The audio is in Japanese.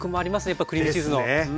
やっぱクリームチーズの。